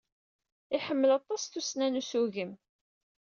Iḥemmel aṭas tussna n ussugen.